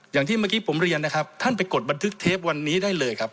อย่างที่เมื่อกี้ผมเรียนนะครับท่านไปกดบันทึกเทปวันนี้ได้เลยครับ